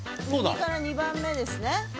右から２番目ですね。